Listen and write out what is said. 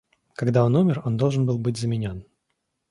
Когда он умер, он должен был быть заменен.